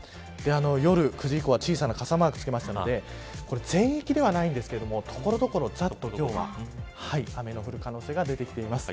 夜９時以降は小さな傘マーク付けましたので全域ではないんですけど所々、ざっと雨の降る可能性が出てきています。